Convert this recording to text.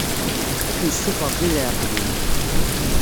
Ad akem-ssuffɣeɣ i leɛqel-im.